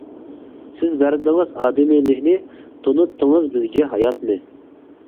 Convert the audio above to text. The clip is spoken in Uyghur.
سىز بەردىڭىز ئادىمىيلىكنى، تونۇتتىڭىز بىزگە ھاياتنى.